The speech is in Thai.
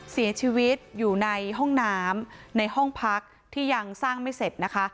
เสียชีวิตอยู่ในห้องน้ำในห้องพักที่ยังสร้างไม่เสร็จนะคะ